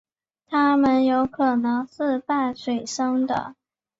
它们有可能是半水生的。